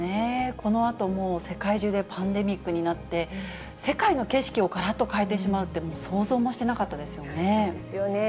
このあと、もう世界中でパンデミックになって、世界の景色をがらっと変えてしまうって、そうですよね。